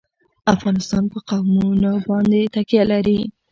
افغانستان په قومونه باندې تکیه لري.